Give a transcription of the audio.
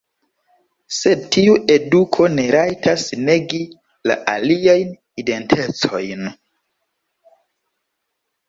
Sed tiu eduko ne rajtas negi la aliajn identecojn.